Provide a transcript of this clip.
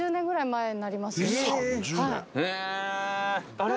あれ？